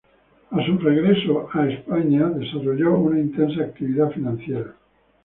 A su regreso a España desarrolló una intensa actividad financiera.